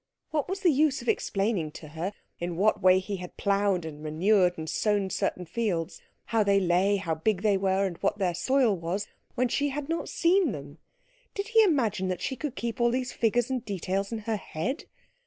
What was the use of explaining to her in what way he had ploughed and manured and sown certain fields, how they lay, how big they were, and what their soil was, when she had not seen them? Did he imagine that she could keep all these figures and details in her head?